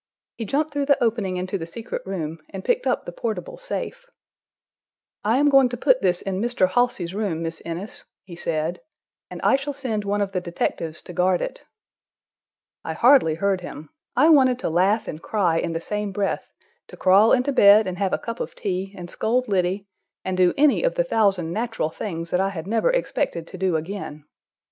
He jumped through the opening into the secret room, and picked up the portable safe. "I am going to put this in Mr. Halsey's room, Miss Innes," he said, "and I shall send one of the detectives to guard it." I hardly heard him. I wanted to laugh and cry in the same breath—to crawl into bed and have a cup of tea, and scold Liddy, and do any of the thousand natural things that I had never expected to do again.